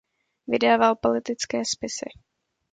Vydával politické spisy.